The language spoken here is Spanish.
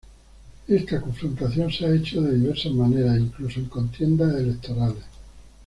Esta confrontación se ha hecho de diversas maneras e incluso en contiendas electorales.